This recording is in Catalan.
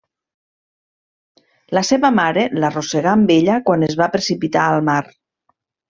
La seva mare l'arrossegà amb ella quan es va precipitar al mar.